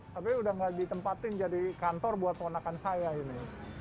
tapi udah gak ditempatin jadi kantor buat ponakan saya ini